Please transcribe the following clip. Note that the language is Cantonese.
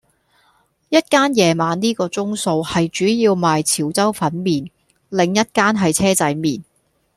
一間夜晚呢個鐘數係主要賣潮州粉麵,另一間係車仔麵